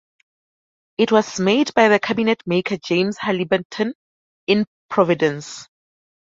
It was made by the cabinetmaker James Halyburton in Providence.